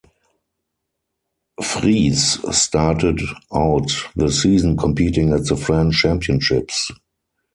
Friess started out the season competing at the French Championships.